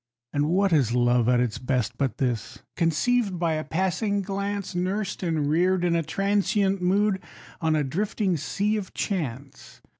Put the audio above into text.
And what is love at its best, but this? Conceived by a passing glance, Nursed and reared in a transient mood, on a drifting Sea of Chance.